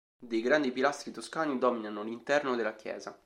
Dei grandi pilastri toscani dominano l'interno della chiesa.